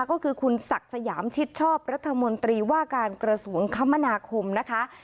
ก็คือคุณศักดิ์สยามชิดชอบรัฐมนตรีว่าการกระทรวงคมนาคมนะคะ